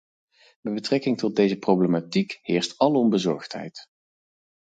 Met betrekking tot deze problematiek heerst alom bezorgdheid.